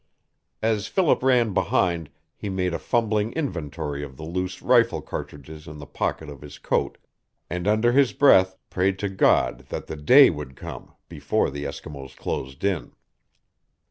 As Philip ran behind he made a fumbling inventory of the loose rifle cartridges in the pocket of his coat, and under his breath prayed to God that the day would come before the Eskimos closed in.